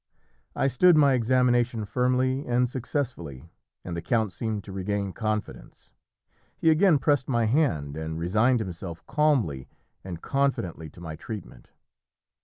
I stood my examination firmly and successfully, and the count seemed to regain confidence; he again pressed my hand, and resigned himself calmly and confidently to my treatment.